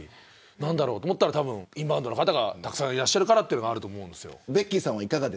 何だろうと思ったらインバウンドの方がたくさんいらっしゃるからというのがあると思うんです。